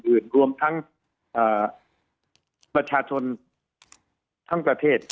มาได้บริหารต่างเกตุบริหารเงื่อนยาทั้งประเทศ